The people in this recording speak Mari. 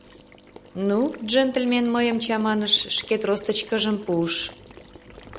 Ну, джентльмен мыйым чаманыш, шке тростычкыжым пуыш.